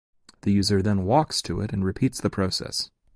The user then walks to it and repeats the process.